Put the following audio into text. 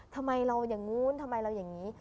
ทำไมเราอย่างนู้นทำไมเราอย่างนี้